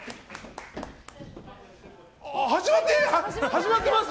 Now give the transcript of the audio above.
始まってます！